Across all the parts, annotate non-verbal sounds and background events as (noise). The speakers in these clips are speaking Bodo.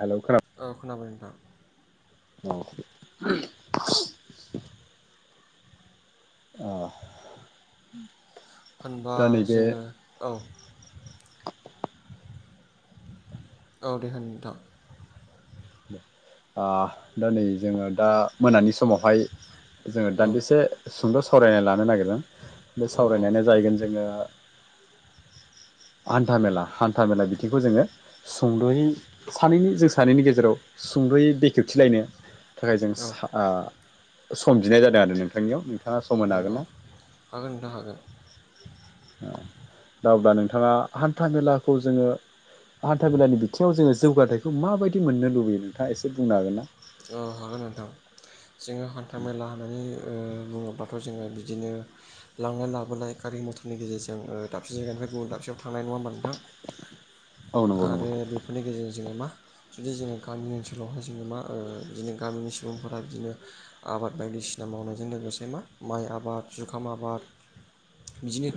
हेलौ खोना औ खोनाबाय नोंथां औ (unintelligible) अ होनबा जोङो औ औ दे होन नोंथां आ दा नै जोङो दा मोनानि समावहाय जोङो औ दान्दिसे सुंद' सावरायना लानो नागिरदों। बे औ औ सावरायनायानो जाहैगोन जोङो (inaudible) हान्था मेला हान्था मेला बिथिंखौ जोङो सुंद'यै सानैनि जों सानैनि गेजेराव सुंद'यै बेखेवथि लायनो थाखाय जों औ सा आ सम बिनाय जादों आरो नोंथांनियाव सम होनो हागोन नोंगौ ना? हागोन नोंथां हागोन ओ दा अब्ला नोंथाङा हान्था मेलाखौ जोङो हान्था मेलानि बिथिङाव जोङो जौगाथायखौ माबायदि मोननो लुबैयो नोंथाङा एसे बुंनो हागोन ना? ओ हागोन नोंथां। जोङो हान्था मेला होननानै ओ बुङो ब्लाथ' जोङो बिदिनो लांलाय लाबोलाय गारि मथरनि गेजेरजों ओ दाबसे जायगानिफ्राय गुबुन दाबसेयाव थांनाय नङा होनबा नों थां औ नंगौ नंगौ आरो बेफोरनि गेजेरजों जोङो मा जुदि जोङो गामि ओनसोलावहाय जोङो मा ओ बिदिनो गामिनि सुबुंफोरा बिदिनो आबाद बायदिसिना मावनायजों लोगोसे मा माइ आबाद जुखाम आबाद बिदिनो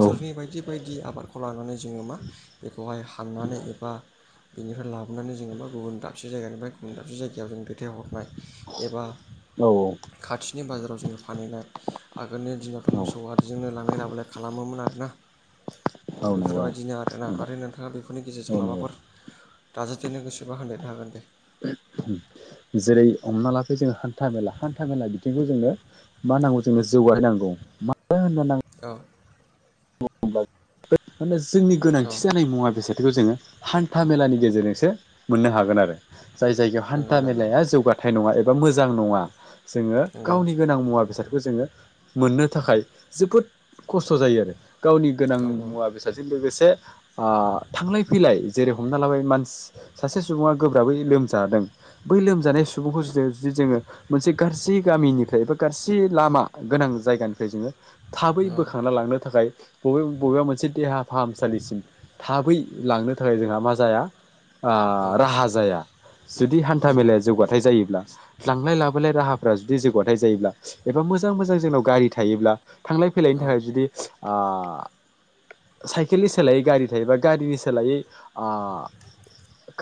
औ बायदि बायदि आबादखौ लानानै जोङो मा बेखौहाय हाननानै बा बेनिफ्राय लाबोनानै जाङो मा गुबन दाबसे जायगानि गुबन दाबसे जायगायाव जों फाथायहरनाय एबा औ औ खाथिनि बाजाराव जोङो फानहैनाय। आगोलनि दिनावथ' औ मोसौ आरिजोंनो लांलाय ला बोलाय खालामोमोन आरोना। औ नंगौ बेफोरबायदिनो आरोना नोंथां आरो नोंथाङा बेफोरनि औ गेजेरजों नंगौ माबाफोर दाज दिनो गोसोबा होनाय हागोन दे होम जेरै- हमना लाफै जोङो हान्था मेला हान्था मेला बिथिंखौ जोङो मा नांगौ जों जौगाहोनांगौ मानो होनो नां औ माने जोंनि औ गोनांथि जानाय मुवा बेसादखौ जोङो हान था मेलानि गेजेरजोंसो मोननो हागोन आरो जाय जायगायाव नंगौ हान्था नंगौ मेलाया जौगाथाय नङा ए बा मोजां नङा। जोङो नंगौ गावनि गोनां मुवा बेसादखौ जोङो मोननो थाखाय जोबोद खस्थ' जायो आरो गावनि गोनां औ मुवा बेसादजों लोगोसे ओ थांलाय फैलाय जेरै- हमना लाबाय मानस सासे सुबुङा गोब्राबै लोमजादों बै लोमजानाय सुबुंखौ जो जोद जोङो मोनसे गाज्रि गामिनिफ्राय एबा गाज्रि लामा गोनां जायगानिफ्राय जोङो थाबै औ बोखांना लांनो थाखाय बबे बबेबा मोनसे देहा फाहामसालिसिम थाबै लांनो थाखाय जोंहा मा जाया ओ औ राहा जाया जुदि हान्था नंगौ मेलाया जौगाथायाइ जायोब्ला लांलाय लाबोलाय राहाफ्रा जुदि जौगाथाय जायोब्ला एबा मोजां मोजां जोंनाव गारि थायोब्ला थांलाय फैलायनि औ थाखाय जुदि ओ साइकेलनि सोलायै गारि थायोबा गारिनि सोलायै ओ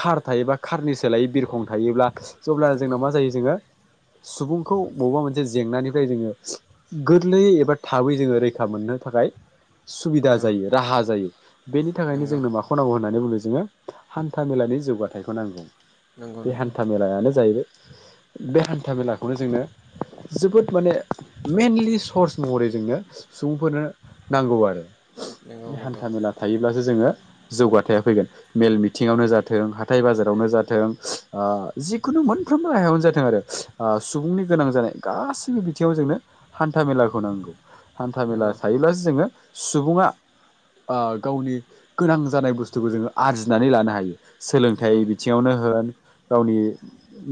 खार थायोबा खारनि सोलायै बिरखं थायोब्ला जब्ला नंगौ जोंना औ मा जायो जोङो सुबुंखौ बबेबा मोनसे जेंनानिफ्राय जोङो गोरलैयै एबा थाबै जोङो रैखा मोननो थाखाय सुबिदा जायो राहा जायो बेनि थाखायनो नंगौ जोंनो माखौ नांगौ होननानै बुंदों जोङो हान्था मेलानि जौगाथायाइखौ नांगौ नंगौ बे नंगौ हान्था मेलायानो जाहैबाय बे हान्था मेलाखौनो जोंनो जोबोद माने मेइनलि सर्स महरै जोंनो सुबुंफोरनो नांगौ आरो बे नंगौ नंगौ हान्था मेला थायोब्लासो जोङो जौगाथाया फैगोन मेल मिथिङावनो जाथों हाथाइ बाजारावनो जाथों ओ जिखुनु मोनफ्रोमबो आहायावनो जाथों आरो सुबुंनि गोनां जानाय गासैबो बिथिङाव जोंनो हान्था मेलाखौ नांगौ हान्था मेला नंगौ थायोब्लासो जोङो सुबुङा ओ गावनि गोनां जानाय बुस्थुखौ जोङो आरजिनानै लानो हायो नंगौ सोलोंथाइ बिथिङावनो होन गावनि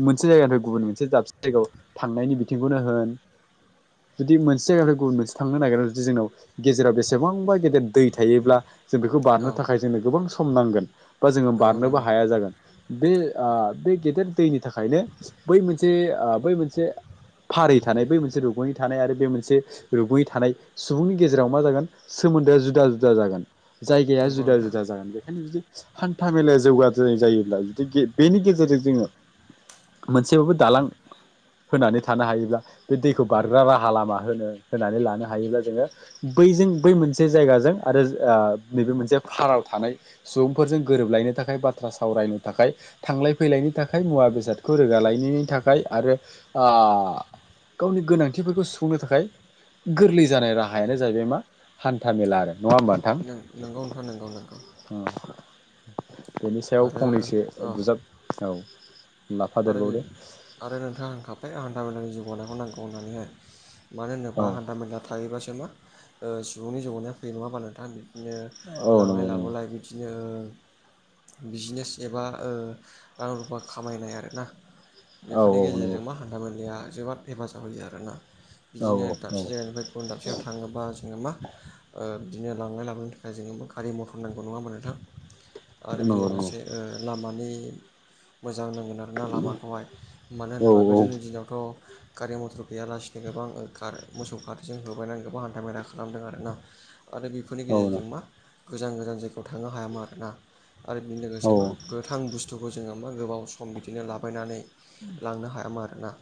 मोनसे जायगानिफ्राय गुबुन मोनसे दाबसे जायगायाव थांनायनि बिथिंखौनो होन जुदि मोनसे जायगाफोर गुबुन मोनसे थांनो नागिरो जुदि जोंनाव गेजेराव बेसेबांबा गेदेर दै थायोब्ला जों बेखौ औ बारनो थाखाय जोंनो गोबां सम नांगोन बा जोङो नंगौ बारनोबो नंगौ हाया जागोन बे ओ बे गेदेर दैनि थाखायनो बै मोनसे ओ बै मोनसे फारि थानाय बै मोनसे रुगुं यै थानाय आरो बे मोनसे रुगुं यै थानाय सुबुंनि गेजेराव मा जागोन सोमोनदोआ जुदा जुदा जागोन जायगाया नंगौ जुदा नोंथां जुदा जागोन बेखायनो जुदि हान्था मेलाया जौगानाय जायोब्ला जुदि बेनि गेजेरजों जोङो मोनसेबाबो दालां होनानै थानो हायोब्ला बे दैखौ बारग्रा राहा लामा होनो होनानै लानो हायोब्ला जोङो बैजों बै मोनसे जायगाजों आरो ओ नैबे मोनसे फारायाव थानाय सुबुंफोरजों गोरोबलायनो थाखाय बाथ्रा सावरायनो थाखाय थांलाय फैलायनि थाखाय मुवा बेसादखौ रोगा लायनायनि थाखाय आरो ओ गावनि गोनांथिफोरखौ सुफुंनो थाखाय गोरलै जानाय रा हायानो जाहैबाय मा हान्था मेला आरो। होमबा नोंथां नों नोंगौ नोंथां नोंगौ नोंगौ। बेनि सायाव फंनैसो औ बुजाब औ आरो बे लाफादेरबावदो आरो नोंथाङा होनखाबाय हान्था मेलानि जौगानायखौ नांगौ होननानैहाय मानो औ होनोब्ला हान्था मेला थायोबासो मा ओ सुबुंनि जौगानाया फैयो नङा होनबा नोंथां! बिदिनो औ नंगौ लांलाय नंगौ लाबोलाय बिदिनो बिजनेस एबा ओ रां रुफा खामायनाय आरोना औ बेफोरनि औ नंगौ गेजेरजों मा हान्थामेलाया औ बिदिनो दाबसे जायगानिफ्राय गुबुन दाबसे आव थाङो बा जोङो मा ओ बिदिनो लांलाय लाबोनो थाखाय जोङो गारि मथर नांगौ नङा होनबा नोथां। आरो औ बिदिनो नंगौ नंगौ लोगोसे ओ लामानि मोजां नांगौ नालामाखौहाय मानो औ होनोबा गोदोनि दिनावथ' गारि मथर गैयालासिनो गोबां गार मोसौ गारिजों होबायनानै गोबां हान्था मेला खालामदों आरोना आरो बेफोरनि औ गेजेरजों मा गोजान गोजान जायगायाव थांनो हायामोन आरोना आरो बेनि औ लोगोसे मा गोथां बुस्थुखौ जोङो मा गोबाव सम बिदिनो लाबोनानै लांनो हायामोन आरोना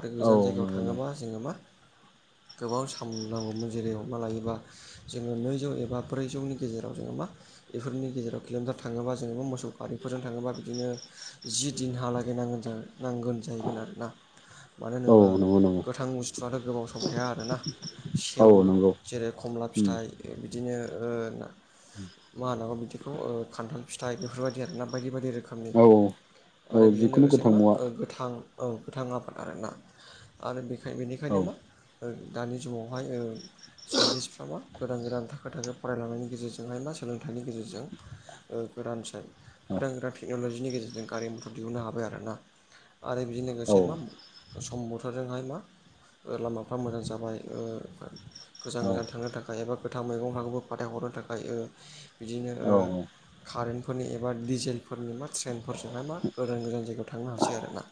आरो औ गोजान जायगायाव नंगौ थाङोबा नंगौ जोङो मा (unintelligible) गोबां साम नांगौमोन जेरै मा लायोबा जोङो नैजौ एबा ब्रैजौनि गेजेराव जोङो मा बेफोरनि गेजेराव किलमिटार थाङोबा जेनबा मोसौ गारिफोरजों थाङोबा बिदिनो जि दिनहालागै नांगोन नांगोन जाहैगोन आरोना। मानो औ होनोबा नंगौ नंगौ गोथां बुस्थुआथ' गोबाव समाव थाया आरोना औ सेवो नंगौ जेरै खमला उम फिथाइ बिदिनो ओ मा होन्नांगौ बिदिखौ ओ खान्थाल फिथाय बिदिनो आरोना बायदि बायदि रोखोमनि औ। औ आरो बेजों जिखुनु लोगोसे गोथां मा मुवा गोथां औ गोथां आबाद आरोना आरो औ बेनिखायनो मा ओ दानि जुगावहाय ओ सायन्टिसफोरा मा गोदान गोदान थाखो थाखो फरायलांनायनि गेजेरजोंहाय बा सोलोंथाइनि गेजेरजों ओ गोदान गोदान गोदान टेक्नलजिनि गेजेरजों गारि मथर दिहुननो हाबाय आरोना आरो बिजों औ लोगोसे मा सम्बुर जोंहाय मा लामाफ्रा मोजां जाबाय गोजान गोजान थांनो थाखाय एबा गोथां मैगं (unintelligible) खौ फाथायहरनो थाखाय ओ बिदिनो ओ औ कारेन्टफोरनि एबा डिजेलफोरनि मा ट्रेनफोरजोंहाय मा गोजान गोजान जायगायाव थांनो हासै आरोना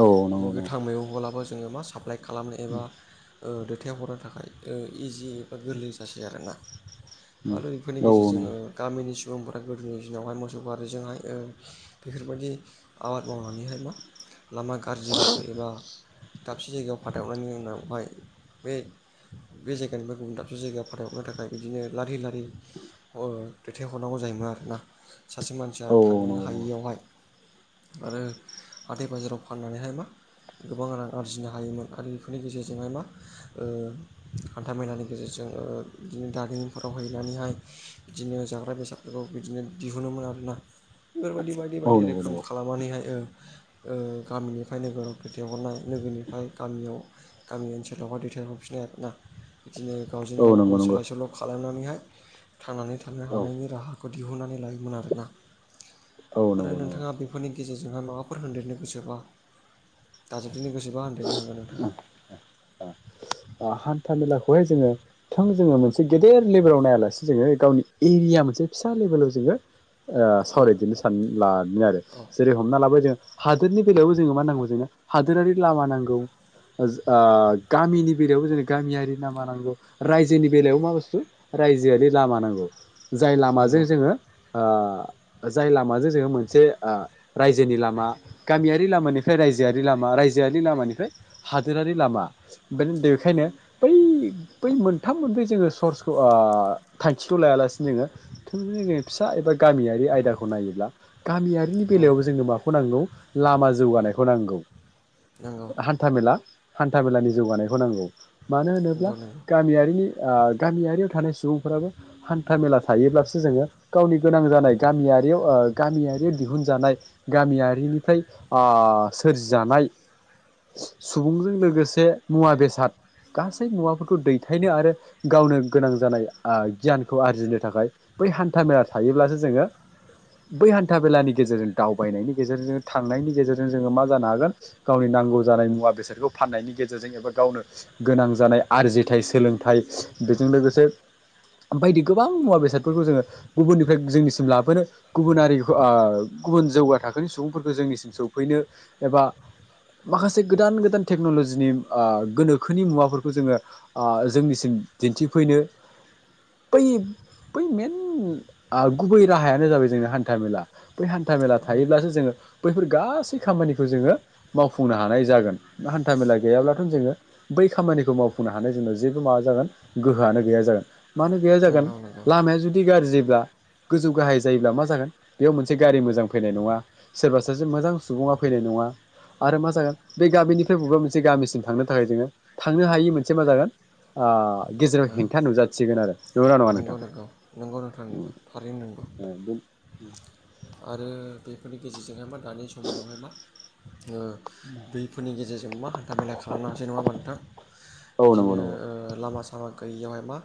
औ नंगौ नंगौ गोथां मैगं ब्लाबो जोङो मा साप्लाइ खालामनो एबा ओ दैथाय हरनो थाखाय ओ इजि एबा गोरलै जासै आरो ना? (unintelligible) उम आरो इफोरनि औ गेजेरजों ओ नंगौ गामिनि सुबुंफोरा गोदोनि दिनावहाय मोसौ गारिजोंहाय ओ बेफोरबायदि आबाद मावनानैहाय मा लामा गाज्रिबाबो एबा दाबसे जायगायाव फाथायहरनायनि उनावहाय बे बे जायगानिफ्राय गुबुन दाबसे जायगायाव फाथाय हरनो थाखाय बिदिनो लारि लारि अ दैथायहरनांगौ जायोमोन आरोना सासे मानसिया औ औ थांनो नंगौ हायियावहाय (inaudible) आरो हाथाय बाजाराव फाननानैहाय मा गोबां रां आरजिनो हायोमोन आरो बेफोरनि गेजेरजोंहाय मा ओ हान्था मेलानि गेजेरजों ओ बिदिनो दारिमिनफोराव हैनानैहाय बिदिनो जाग्रा बेसादफोरखौ बिदिनो दिहुनोमोन आरो ना बेफोरबायदि बायदि औ बायदि नंगौ रोखोम नंगौ खालामनानैहाय ओ ओ गामिनिफ्राय नोगोराव दैथथायहरनाय नोगोरनिफ्राय गामियाव गामि ओनसोलाव दैथाय हरफिननो आरोना बिदिनो गावजों औ गाव नंगौ नंगौ औ सोलाय सोल' खालामनानैहाय थांनानै थानो हानायनि राहाखौ दिहुननानै लायोमोन आरोना औ आरो नंगौ नंगौ नोंथाङा बेफोरनि गेजेरजोंहाय माबाफोर होनदेरनो गोसोबा दाजाबनो गोसोबा होनदेरनो हागोन नोंथाङा। ओ। अ हान्था मेलाखौहाय जोङो थोंजोङै मोनसे गेदेर लेभेलाव नायालासे जोङो गावनि एरिया मोनसे फिसा लेभेलाव जोङो ओ औ सावरायदिनि सान लादों आरो औ जेरै हमना लाबाय जों हादोरनि बेलायावबो जोङो मा नांगौ जोंनो हादोरारि लामा नांगौ, जो ओ गामिनि बेलायावबो जोंनि गामियारि लामा नांगौ, रायजोनि बेलायावबो मा बुस्थु रायजोआरि लामा नांगौ जाय लामाजों नंगौ जोङो ओ जाय लामाजों जोङो मोनसे ओ रायजोनि लामा गामियारि लामानिफ्राय रायजोआरि लामा रायजोआरि लामानिफ्राय हादोरारि लामा बेनि बेखायनो बै बै मोनथाम मोनब्रै जोङो सर्सखौ ओ थांखिखौ लायालासिनो थोंजोङै जों फिसा एबा गामियारि आयदाखौ नायोब्ला गामियारिनि औ बेलायावबो जोंनो माखौ नांगौ लामा जौगानायखौ नांगौ। नंगौ हान्थामेला, हान्था मेलानि जौगानायखौ नांगौ। मानो होनोब्ला नंगौ नंगौ गामियारिनि ओ गामियारियाव थानाय सुबुंफ्राबो हान्था मेला थायोब्लासो जोङो गावनि गोनां जानाय गामिया रियाव ओ गामियारियाव दिहुनजानाय गामियारिनिफ्राय ओ सोरजिजानाय सु-सुबुंजों लोगोसे मुवा बेसाद गासै मुवाफोरखौ दैथायनो आरो गावनो गोनां जानाय ओ गियानखौ आरजिनो थाखाय बै हान्था मेला थायोब्लासो जोङो बै हान्था मेलानि गेजेरजों दावबायनायनि गेजेरजों थांनायनि गेजेरजों जोङो मा जानो हागोन गावनि नांगौ जानाय मुवा बेसादखौ फाननायनि गे जो-जों एबा गावनो गोनां जानाय आरजिथाइ सोलोंथाइ बेजों लोगोसे ओमबायदि गोबां मुवा बेसादफोरखौ जोङो गुबुननिफ्राय जोंनिसिम लाबोनो गुबुन हारिखौ ओ गुबुन जौगा थाखोनि सुबुंफोरखौ जोंनिसिम सौफैनो एबा माखासे गोदान गोदान थेक्न'ल'जिनि ओ गोनोखोनि मुवाफोरखौ जोङो ओ जोंनिसिम दिन्थिफैनो बै बै मेन ओ गुबै राहायानो जाबाय जोंना हान्था मेला बै हान्था मेला थायोब्लासो जोङो बैफोर गासै खामानिखौ जोङो मावफुंनो हानाय जागोन हान्था मेला गैयाब्ला जोंङो बै खामानिखौ मावफुंनो हानाय जोंनाव जेबो माबा जागोन गोहोआनो गैया जागोन मानो गैया जागोन नंगौ नंगौ लामाया जुदि गाज्रिब्ला गोजौ गाहाय जायोब्ला मा जागोन बेयाव मोनसे गारि मोजां फैनाय नङा सोरबा सासे मोजां सुबुङा फैनाय नङा आरो मा जागोन बे गामिनिफ्राय बबेबा मोनसे गामिसिम थांनो थाखाय जोङो थांनो हायि मोनसे मा जागोन ओ गेजेराव हेंथा नुजाथिगोन आरो नंगौना नङा नंगौ नोंथां? नंगौ नंगौ नोंथां नंगौ थारैनो नंगौ (unintelligible) आरो बेफोरनि गेजेरजोंहाय मा दानि समावहाय मा ओ दैफोरनि गेजेरजों मा हान्थामेला खालामनो हासै नङा होमबा नोंथां (unintelligible) नंगौ बिदिनो नंगौ ओ लामा सामा गैयियावहाय मा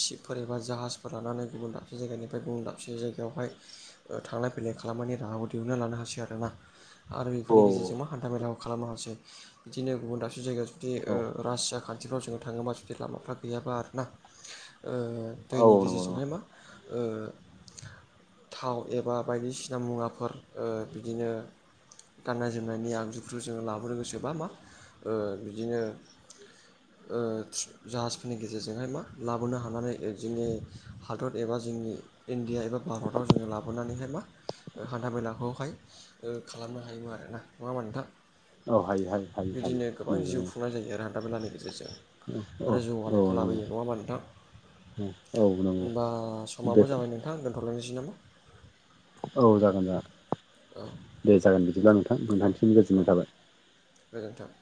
सिपफोर एबा जाहाजफोर लानानै गुबुन दाबसे जायगानिफ्राय गुबुन दाबसे जायगायावहाय ओ थांलाय फैलाय खालामनायनि राहाबो दिहुनना लानो हासै आरोना आरो औ बेफोरनि गेजेरजोंबो मा हान्थामेला खालामनो हासै बिदिनो गुबुन दाबसे जायगायाव जुदि औ ओ रासिया खा थिफ्राव जोंङो थाङोबा जुदि लामाफ्रा गैयाबा आरोना औ दैनि नंगौ गेजेरजोंहाय नंगौ मा ओ थाव एबा बायदिसिना मुवाफोर ओ बिदिनो गाननाय जोमनायनि आगजुफोरखौ जोङो लाबोनो गोसोबा मा ओ बिदिनो ओ जाहाजफोरनि गेजेरजोंहाय मा लाबोनो हानानै जोंनि हादद एबा जोंनि इनदिया एबा भारताव जोंङो लाब हरनानैहाय मा हान्था मेलाखौहाय ओ खालामनो हायो आरो ना नङा होमबा नोंथां औ हायो हायो हायो हायो बिदिनो गोबां नंगौ जिउ खुंनाय जायो आरो हान्थाामेलानि गेजेरजों नंगौ आरो औ जौगानायखौ औ लाबोयो नङा होमा नोंथां? नंगौ औ नंगौ होमबा समाबो बे जाबाय नोंथां दोनथ'लायनोसै नामा औ जागोन औ जागोन दे जागोन बिदिब्ला नोंथां औ नोंथांनिसिम औ गोजोननाय थाबाय गोजोन्थों